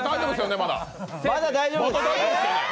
まだ大丈夫です。